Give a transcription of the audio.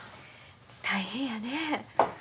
大変やね。